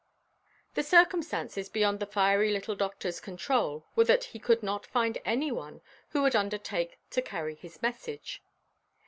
The circumstances beyond the fiery little doctorʼs control were that he could not find any one who would undertake to carry his message.